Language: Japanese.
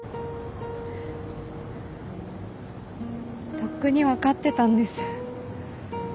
とっくに分かってたんです。